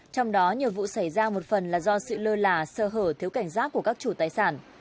trong đó nhiều vụ xảy ra một phần là do sự lơ là sơ hở thiếu cảnh giác của các chủ tài sản